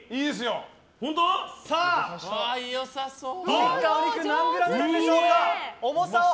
切ったお肉何グラムなんでしょうか。